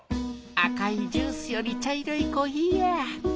赤いジュースより茶色いコーヒーや。